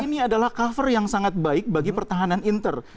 ini adalah cover yang sangat baik bagi pertahanan inter